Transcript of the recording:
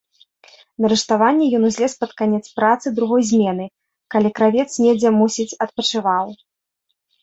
На рыштаванне ён узлез пад канец працы другой змены, калі кравец недзе, мусіць, адпачываў.